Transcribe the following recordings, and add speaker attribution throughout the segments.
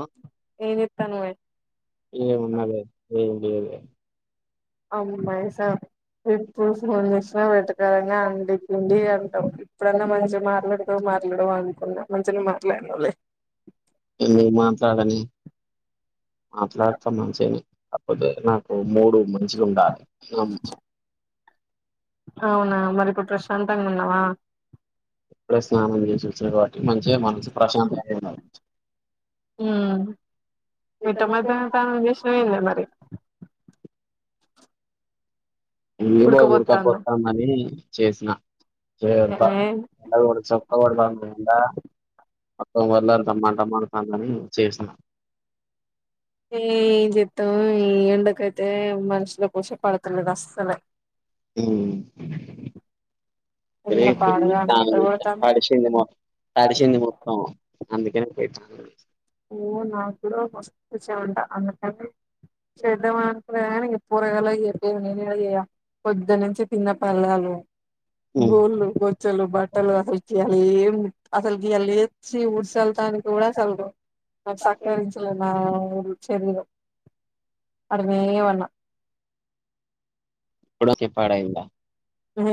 Speaker 1: ఆ ఏమున్నాదే ఏంలేదే.
Speaker 2: అమ్మాయి సామి ఎప్పుడు ఫోన్ జేశనా వెటకారంగా అండేకింది అంటావ్ ఇప్పుడన్నా మంచిగా మాట్లాడుతావ్ మాట్లాడవ్ అనుకున్నా మంచినే మాట్లాడనవ్లే
Speaker 1: ఏంది మాట్లాడనే, మాట్లాడుతా మంచినే. అప్పుడే నాకు మూడు మంచిగా ఉండాలే నామ్
Speaker 2: అవునా మరి ఇప్పుడు ప్రశాంతంగా ఉన్నావా.
Speaker 1: ఇప్పుడే స్నానం జేషి వచ్చిన గావట్టి మంచిగా మనసు ప్రశాంతంగా ఉన్నది.
Speaker 2: ఉహు్ మిట్ట మధ్యానం తానం జేషనవ్ ఏందే మరి.
Speaker 1: ఇంగేమో ఉడకపోతంది అని చేసనా చేయోందా ఎండ గూడా సోపా గొడ్తాంది ఎండా. మొత్తం వరళ్లంతా మంట మంతాంది అని చేశనా.
Speaker 2: ఇగా ఈ ఏం జేప్తావో ఈ ఎండకైతే మనుషులక్ కోసపడుతలేద్ అసలే.
Speaker 1: ఊ పెళ్ళి దానం తడిచింది మొత్తం తడిచింది మొత్తం అందుకనే అా
Speaker 2: ఒ నాకుడా మస్తు చమట అందుకనే చేద్దాం అని అనుకున్న కానీ పోరగాళ్లకు చెపిను నేను ఏడ చేయ పొద్దు నుంచి తిన్న పల్లాలు గోల్ గొచ్చలు బట్టలు అసలకి అ ఏమి అసల్కి ఇయల సి వుట్సల్టానికి కూడా చల్రు సక్కగా పెంచలేనా అవును చెర్లు అడమే వన్నా
Speaker 1: కూడా చెప్పడు ఇలా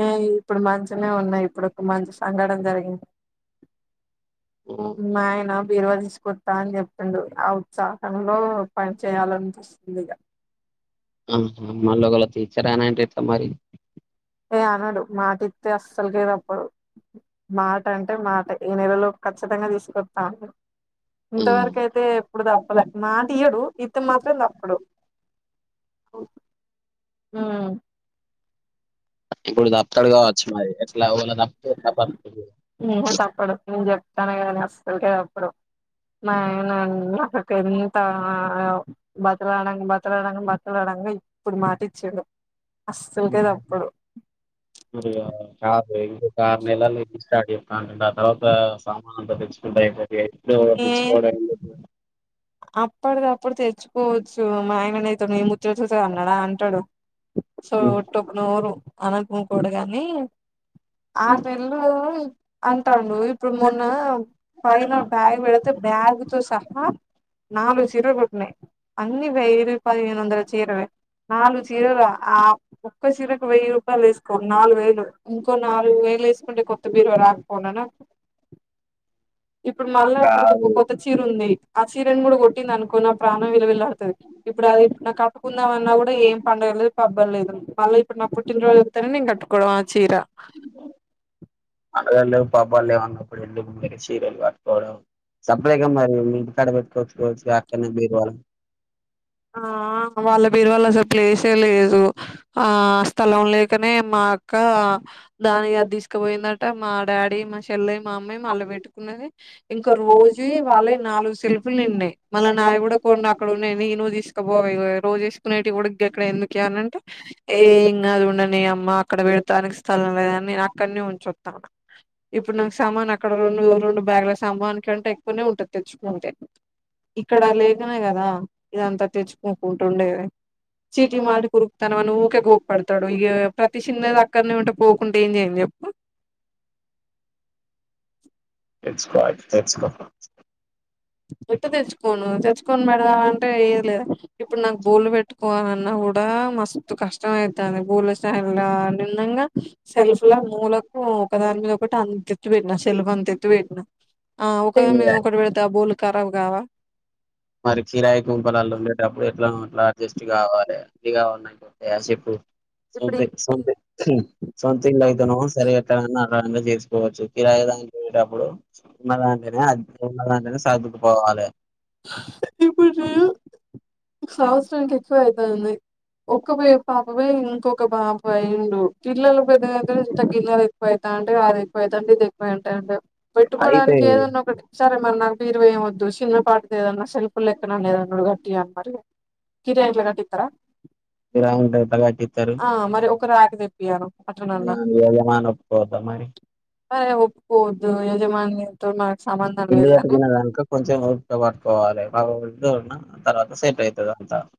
Speaker 2: ఏ ఇప్పుడు మంచినే ఉన్నా ఇప్పుడు ఒక మంచి సంగటన జరిగింది మయనా బీరువా తీసుకొతా అని చెప్తుండు ఆ ఉత్సాహంలో పని చేయాలనిపిస్తుందిగ [inaudible]
Speaker 1: అహ మల్ల ఒగల తీసుకురాను అంటే ఎట్ల మరి
Speaker 2: ఏ అనడు మాటితే అస్సల్కే తప్పడు మాట అంటే మాట ఈ నెలలో ఖచ్చితంగా తీసుకొతాడు ఇంతవరకు అయితే ఎప్పుడు దప్పలే మాటియడు ఇత్తే మాత్రం దప్పడు
Speaker 1: ఓ
Speaker 2: ఉ అహ తప్పడు నేను చెప్తాను కదనే అస్సల్కే తప్పుడు నాయనన్న నాకెంత బతిలాడంగా బతిలాడంగా బతిలాడంగా ఇప్పుడు మాటిచ్చిండు అసల్కే తప్పడు
Speaker 1: కొద్దిగా షాపు ఇంకొక ఆరు నెలల్లో ఎప్పుడు స్టార్ట్ చేస్తాము ఆ తర్వాత సా అంత తెచ్చుకుంటాపో ఎ తెచ్చుకోవడం ఎందుకు
Speaker 2: అప్పటిదప్పుడు తెచ్చుకోవచ్చు మా ఆయన అయితే మే చేసేసా అన్నాడా అంటాడు సో ఒొ నోరు అనంతము కోడు కాని [inaudible] ఆరు నెళ్లు అంటాండు ఇప్పుడు మొన్న పైన బ్యాగ్ పెడితే బ్యాగ్ తో సహా నాలుగు చీరలు కొట్టినాయ్ అన్ని వెయ్యిరి పదిహేను వందల చీరవే నాలుగు చీరలా ఆ ఒక్క చీరకు వెయ్యి రూపాయలు వేసుకో నాలుగు వేలు ఇంకో నాలుగు లేస్కుంటే కొత్తిమీర రాకపోవునా నాకు ఇప్పుడు మళ్ళా అప్పుడు ఒక కొత్త చీర ఉంది చీరన్ కూడా కొట్టింది అనుకో నా ప్రాణం విలవీల్లాడుతుంది ఇప్పుడు అది నా కట్టుకుందాంమన్నా కూడా ఏం పండగలు పబ్బం లేదు మళ్ళా ఇప్పుడు నా పుట్టినరోజు వత్తేనే నేను కట్టుకోవడం ఆ చీర [inaudible]
Speaker 1: పండగలు లేవు పబ్బాలు లేవు అన్నప్పుడు ఎందుకు మరి చీరలు కట్ కోడం సప్లైగా మరి మీంటికాడ పెట్టుకోవచ్చుకోవచ్చుగా అక్కడనే బీరువాలో
Speaker 2: ఆ వాళ్ళ బీరువాలో అసలు ప్లేసే లేదు ఆ స్థలం లేకనే మా అక్క దానికి అది తీసుకుపోయిందట మా డాడీ మా చెల్లె మమ్మీ మళ్ళ పెట్టుకున్నది ఇంకా రోజి వాళ్ళయి నాలుగు సెల్పులు నిన్నాయి మళ్ళ నాయి కూడా కొండా అక్కడున్నాయి నియ్ నువ్ తీసుక ఇగోవే ఇగో రోజెసుకునేటియి కూడా గక్కడ ఎందుకే అనంటే ఎం కాదు ఉండని అమ్మ అక్కడ పేడ్ ానికి స్థలం లేదని నేను అక్కన్నే ఉంచొత్తన ఇప్పుడు నాకు సమాన్ అక్కడ రెండు రెండు బ్యాగుల సమనుకంటే ఎక్కువనే ఉంటది తెచ్చుకుంటే ఇక్కడ లేకనే కదా ఇదంతా తెచ్చుకోకుంటుండేది చీటీకి మటికీ కురుకుతానవ నువ్ ఊకే గోపడుతాడు ఇగ ప్రతి చిన్నది అక్కడనే ఉంటే పోకుం టే ఏం చెయ్యను చెప్పు
Speaker 1: తెచ్చుకోవాలి తెచ్చుకో
Speaker 2: ఎట్ట తెచ్చుకోను తెచ్చుకొని పెడుదామంటే ఏది లేదు ఇప్పుడు నాకు బోళ్లు పెట్టుకోవాలన్నా కూడా మస్తు కష్టం అయితంది బొల్లా స్టాండ్ల ఆన్ని ఉండంగా సెల్ఫ్ ల మూలకు ఒక దాని మీద ఒకటి అంత ఎత్తు పెట్టిన సెల్ఫ్ అంత ఎత్తు పెట్టిన ఆ ఒకదాని మీద ఒకటి పెడుతే ఆ బోళ్ళు కరాబు కావా
Speaker 1: ప్పుడు ఎట్లానో అట్లా అర్జెస్ట్ కావాలే అన్ని కావాలంటే వస్తాయా చెప్పు సొంత సొంత సొంతింళ్ళు అయితేనో సరి ఇగ ఎట్టనో అలా చేసుకోవచ్చు కిరాయి టప్పుడు ఉన్నదాంట్లనే ఉన్నదాంట్లనే సర్దుకపోవాలే
Speaker 2: ఇప్పుడు సంవత్సరానికి ఎక్కువ అయితంది ఒక్క ప పాపపోయి ఇంకొక బాబయిండు పిల్లలు పెద్దగ అయితంటే ఇంట్ల గిన్నెలు ఎక్కువైత అంటే అది ఎక్కువదంటే ఇది ఎక్కువ అంటాడు పెట్టుకోవడానికి ఏదన్నా ఒకటి సరే మరి నాకు బీరువ ఎం వద్దు చిన్న పాటిది ఏదన్నా సెల్ఫు లెక్కనన్న ఏదన్నోటి కట్టియను మరి ఇగ కిరాయి ఇంట్ల కట్టిత్తరా
Speaker 1: కిరాయి ఇంట్ల ఎట్లా కట్టిస్తారు యజమాని ఒప్పుకోవద్ద మరి ఇల్లు కట్టుకునేదానుక ఇన్ని కొంచెం ఓపిక పట్టు కోవాలే [unintelligible] తర్వాత సెట్ అయి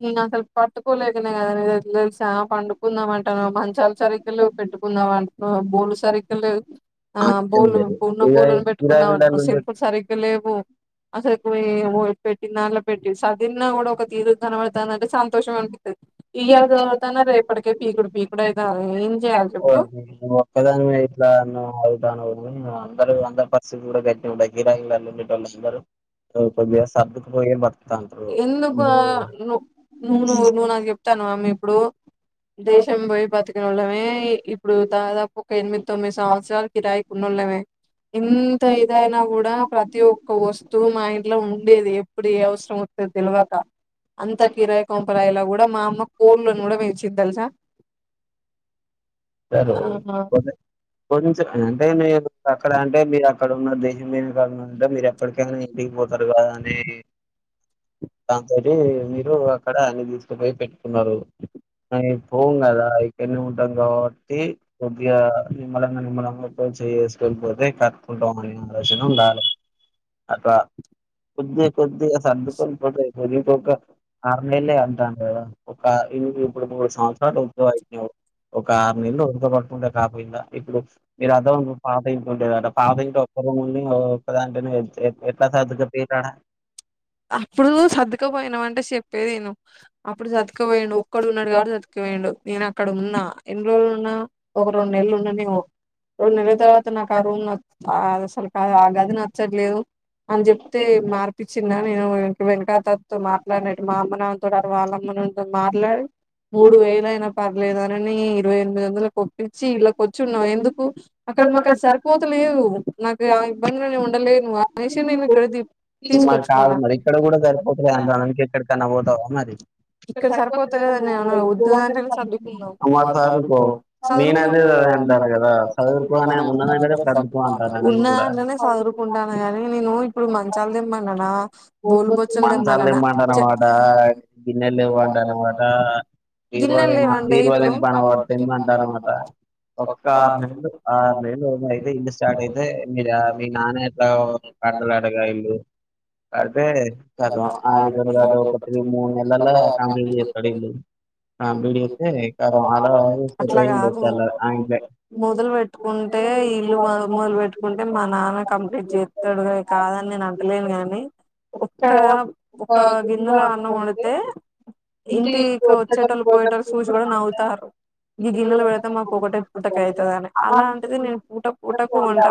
Speaker 2: నిను అసలు పట్టుకోలేకనే కదా తెలుసా పండుకుందాంమంటెనో మంచాలు సరిగా లెవ్ పెట్ ట్టుకుందామంటేనో బోళ్ళు సరిగలెవ్ ఆ బోళ్ళు ఉన్న బోల్లను పెట్టుకుందాం అనుకో సేల్పులు సరిగ్గా లేవు అసలు ఇప్పుడు ఏమో పెట్టినదాంట్ల పెట్టి కూడా ఒక తీరు కనపడుతందంటే సంతోషం అనిపిస్తది ఇయలా కదురుతాన రేపటికే పీకుడు పీకుడు అయితనయి ఏం చేయాల్
Speaker 1: నువ్వొక్కదానివే ఇట్లా అన్నవ్ కుంటన్నావ్ కానీ అందరి అందరి పరిస్థితి కూడా గట్నే ఉండయి కిరాయి ఇండ్లల్ల ఉండే టోల్లందరూ టది కొద్దిగా సర్దుకుపోయి బత్
Speaker 2: ఎందుకు ఆ నూవ్ నూవ్ నాకు చెప్తావమ్మ ఇప్పుడు దేశం పోయి బతికినోళ్ళమే ఇప్పుడు దాదాపు ఒక ఎనిమిది తొమ్మిది సంవత్సరాలు కిరాయికి ఉన్న ఉన్నమే ఎంత ఇదైనా కూడా ప్రతి ఒక్క వస్తువు మా ఇంట్లో ఉండేది ఎప్పుడు ఏ అవసరం తెలువక అంత కిరాయి కొంపలాయినా కూడా మా అమ్మ కోళ్లను కూడా పెంచింది తెలుసా
Speaker 1: సరు కాపోతే కొంచం అంటే మీరు అక్కడ అంటే మీరు అక్కడ ఉన్న దేశం మీ [unintelligible] మీరు ఎక్కడికైనా ఇంటికి పోతారు కదా అని
Speaker 2: [inaudible]
Speaker 1: దంతోటి మీరు అక్కడ అన్ని తిసుకపోయి పెట్టుకున్నారు అది పోము కదా ఇక్కన్నే ఉంటం కాబట్ తే కొద్దిగా నిమ్మలంగా నిమ్మళంగా ఒక్కో చెయ్యేసుకొని పోతే కట్టుకుంటాం అని గట్లనే ఉండాలే అట్ల కొద్దిగ కొద్దిగా సర్దుకోనిపోతే ఇది ఒక అన్లైన్లే అంతాంటె ఒక ఇది ఒక మూడు సంవత్సరాలు ఉద్యో ఒక ఆరు నెలలు ఓపిక పట్టుకుంటే కాపోయిందా ఇప్పుడు మీరు అద్దరం పాత ఇంట్లో ఉండేదట పాత ఇంటలో ఒక్క రూముల్ని ఒక్కదాంటొనే ఎ పడా [unintelligible]
Speaker 2: అప్పుడు సర్దుకపోయినవ్ అంటే చెప్పేదిను అప్పుడు సర్దుకపోయిండు ఒక్కడు ఉన్నాడు కాబట్టి సర్దుకుపో యిండు నేను అక్కడ ఉన్నా ఎన్ని రోజులు ఉన్నా ఒక రెండు నెలలు ఉన్నానేమో రొండు నెలల తర్వాత నాకు ఆ రూమ్ న అది అసలుకు ఆ గది నచ్చట్లేదు అని చెప్తే మార్పిచ్చి నేను ఇంక వెంకట అత్తతో మాట్లాడినట్టు మా అమ్మ నాన్నతోని అటు వాళ్ళమ్మ నానతో మాట్లాడి మూడు వేలు అయినా పర్లేదుఅని నీ మూడొందలకి ఒప్పించి ఇళ్ళకి వచ్చిఉన్నాం ఎందుకు అక్కడ మాకు అది సరిపోతలేదు నాకు ఆ ఇబ్బంది నేను ఉండలేను అనేసి మేము ఇక్కడ ది
Speaker 1: మరి కాదు మరి ఇక్కడ కూడా సరిపోతలే అంటనావ్ ఇంకెక్కడికన్నా పోతావా మరి ఇక్కడ సరిపోతలేదని నేనన్ల ఉన్నదాంట్లోనే సర్దుకున్నాను ఆ మరి సర్దుకో నేను అదే అంటాను కదా సర్దుకో అనే ఉన్నదే కద సర్దుకో అంటాన నేను కూడా
Speaker 2: కుంటాను గాని నేను ఇప్పుడు మంచాలు తెమ్మన్నానా
Speaker 1: మంచాలు తెమ్మంటునవటా గిన్నెలు లెవ్వంటున్నవటా బీరువా తెంమ్మ బీరువా తెంపనవ తెమ్మటనావట ఒక్క ఆరు నెల్లు ఆరు నెల్లు అయితే ఇల్లు స్టార్ట్ అయితే మీ మీ నాన్న ఎట్లో కండతాడుగా ఇల్లు అ తే చేద్దం అదే పని గట్టిగ ఒక మూడు నెలల్లో కంప్లీట్ చేత్తాడు ఇల్లు ఆ బిడితే క అలాచ్చ అలా ఆట్లే
Speaker 2: మొదలు పెట్టుకుంటే ఇల్లు మొదలు పెట్టుకుంటే మా నాన్న కంప్లీట్ చేస్తాడు కాద నేను అంటలేను గాని ఒక్క ఒక గిన్నెలో అన్నం వండితే ఇంటీకి వచ్చేటోలు పోయేటోలు సూసి కూడా నవ్వుతారు ఈ గిన్నెలు పెడితే మాకు ఒకటే పూటకయి తదని అలాంటిది నేను పూట పూటకు వంట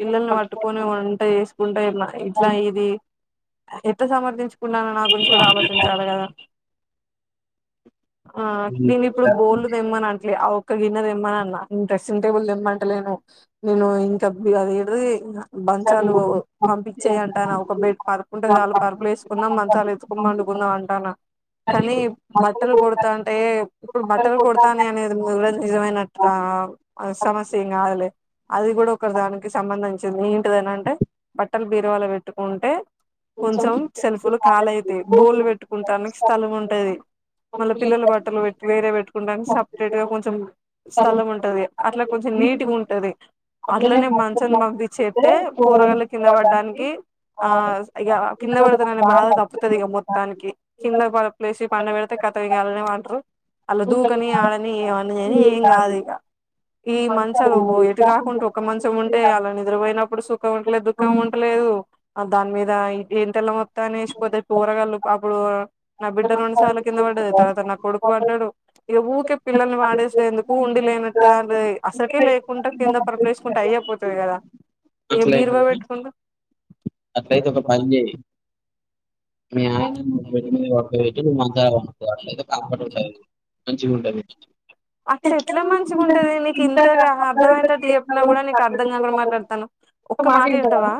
Speaker 2: పిల్లల్ని పట్టుకొని వంట చేేసుకుంటా ఇట్లా ఇది ఎంత సమర్థించుకున్నానో నా గురించి కూడా ఆలోచించాలి కదా ఆ నేను ఇప్పుడు గోల్డ్ తెమ్మని అంట్లే ఆ ఒ క్క గిన్నెదెమ్మనిఅన్న డ్రెస్సింగ్ టేబుల్ తెమ్మంటలేను నేను ఇంక అదిఏంటదీ మంచాలు పంపిచ్చెయి అంటాన ఒక బెడ్ పరుపుఉంటే చాలు పరుపులు వేసుకుందాం మం చాలు ఎత్తుకుని పండుకుందాం అంటాన్న కానీ బట్టలు కుడతాంటే ఇప్పుడు బట్టలు కుడతానే అనేది కూడా నిజమైనట్టా ఆవు అది సమస్య ఏం కాదులే అది కూడా ఒకరు దానికి సంబంధిం చ్చింది ఏంటదనంటే బట్టలు బీరువాలో పెట్టుకుంటే కొంచెం సెల్ఫులు కాలయితయి బోర్లు పెట్టుకుంటానికి స్థలం ఉంటది మళ్ళ పిల్లలు బట్టలు పెట్ వేరే పెట్టుకుడానికి సపరేట్ గా కొంచెం స్థలం ఉంటది అట్లా కొంచెం నీటిగ ఉంటది అట్లనే మంచం పంపించేత్తె పోరగాళ్ళు కింద పడ్డానికి ఆ ఇక కింద పడతననే బాధ తప్పుతుది ఇక మొత్తానికి కింద పడ ప్లేస్ పండ పెడితే ఖత ఎళ్దామంటరు అళ్లా దూకని ఆడని ఏమని అని ఏం కాదు ఇక ఈ మంచ నువ్వు ఎటు గాకుంటే ఒక మంచముంటే అల్ల నిద్రబొయినవ్ ఇప్పుడు సుఖమట్ల దుఃఖం ఉంటలేదు ఆ దాని మీద ఏం తెల్ల మొత్తం నేషిపోతే పోరగాలు అప్పుడూ నా బిడ్డ రెండు సార్లు కింద పడ్డాది తర్వాత నా కొడుకు పడ్డాడు ఇక ఊ పిల్లని పాడేసు డెం ఉండి లేనట్టు గా అసలకే లేకుండా కింద పరుపు లేసుకుంటే అయ్యెపోతుది కదా ఏ బీరువా పెట్టుకుంట
Speaker 1: ఆట్లైతే ఒక పన్ జెయ్ మీ ఆయన నువ్వు బెడ్ మీద బడుకోపెట్టి నువ్వు మంచాలో పనుకో అట్లయితే కంఫర్ట్ ఉంటాయి మంచిగుంటది
Speaker 2: అట్లెట్ల మంచిగుంటది నీకింతగ అర్థమైయేటట్టు చెప్పినా గుడ నీకర్ధం గాకుండ మాట్లాడతానవ్ ఒక్క మాట ఇంటవా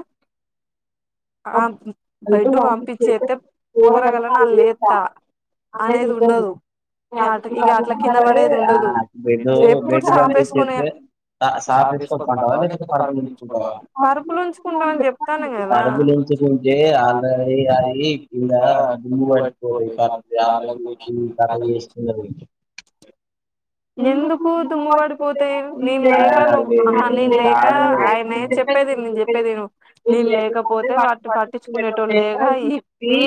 Speaker 2: ఆ
Speaker 1: [inaudible] ఏమో దొంగతనం చేస్తా [inaudible]
Speaker 2: అట్ ఇక అట్ల కింద బడేడుండదు ఎప్పుడు సాపేసుకొనే పరుపులుంచుకుంటా అని చెప్తాన గదా అనుబలించి పోన్
Speaker 1: ఏ ఆళ్ళ ఇ అయి కింద దుమ్ము పట్టిపోతాయి [inaudible] ఇలవి
Speaker 2: [unintelligible] ఎందుకు దుమ్ము బడిపోతాయ్ నేను లేక నువ్వు అహ నేను లేక ఆయనే చెప్ చెప్పేదిను నేను చెప్పేదిను నేను లేకపోతే వాటి పట్టిచు కొనేటోళ్ళేగా ఇ ఈ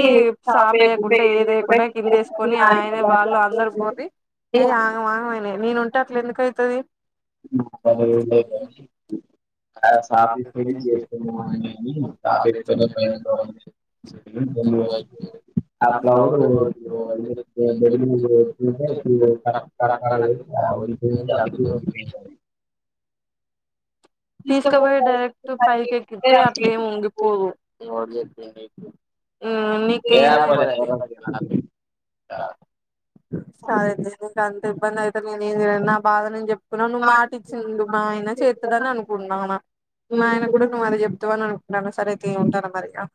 Speaker 2: సాప వేయకుండా ఏదేయకుండా కిందేసుకొని ఆయనే వాళ్ళ అందరు కోరి అయ్య ఆగమాగమైనయ్ నేనుంటే అట్ల ఎందుకైతది
Speaker 1: పదం ఏళైతాంది ఆ సాఫ్ చేసిపోయిరి చేస్తేనేమో అన్నీ అనీ సాఫ్ [inaudible]
Speaker 2: తెంపువాయ్ ఆ ఫ్లవరు ఇప్పుడు [inaudible] తనదే తేవత్ [inaudible] తీస్కబొయి డైరెక్ట్ పైకెక్కిత్తే అట్లేం ఒంగిపోవు మ్మ్ మీకేం సరైతే ఉంటా అంత ఇబ్బందైతే నేనేం జెయ నా బాధ నేను చెప్ నన్ను మాట ఇచ్చిండు మా ఆయన చేత్తడని అను మా ఆయన గుడ నువ్వు అది చెప్తవని సరైతే ఉంటాను మరిగ